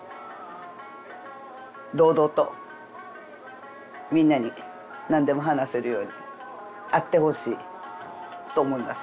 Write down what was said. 堂々とみんなに何でも話せるようにあってほしいと思います。